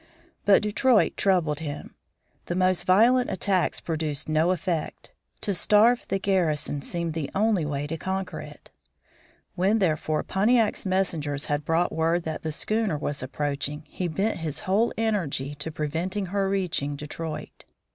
But Detroit troubled him. The most violent attacks produced no effect. To starve the garrison seemed the only way to conquer it. When, therefore, Pontiac's messengers had brought word that the schooner was approaching he bent his whole energy to prevent her reaching Detroit.